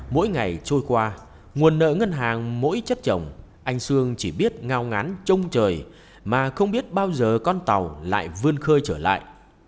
mỗi ngày trôi qua nguồn nợ ngân hàng mỗi chất chồng anh sương chỉ biết ngao ngán trông trời mà không biết bao giờ con tàu lại vươn khơi trở lại